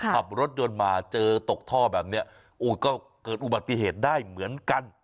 ขับรถยนต์มาเจอตกท่อแบบนี้ก็เกิดอุบัติเหตุได้เหมือนกัน